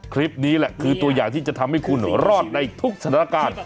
คลิปนี้แหละคือตัวอย่างที่จะทำให้คุณรอดในทุกสถานการณ์